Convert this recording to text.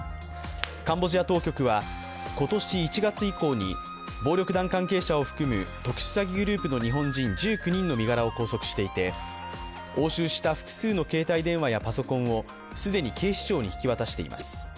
カンボジア当局は今年１月以降に、暴力団関係者を含む特殊詐欺グループの日本人１９人の身柄を拘束していて押収した複数の携帯電話やパソコンを既に警視庁に引き渡しています。